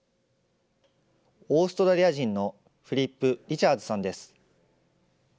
オーストラリア人のフィリップ・リチャーズさんです。